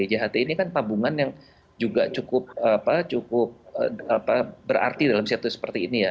jht ini kan tabungan yang juga cukup berarti dalam situasi seperti ini ya